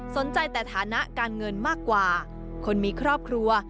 ในฐานะการเงินมากกว่าคนมีครอบครัว